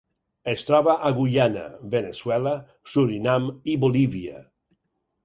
Es troba a Guyana, Veneçuela, Surinam i Bolívia.